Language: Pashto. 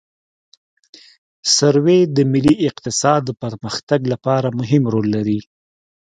سروې د ملي اقتصاد د پرمختګ لپاره مهم رول لري